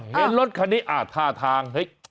เห็นรถคันนี้ท่าทางเฮ้ย